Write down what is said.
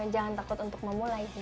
jangan takut untuk memulai